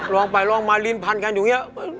ลองไปลองมาลินพันธุ์กันอยู่นี้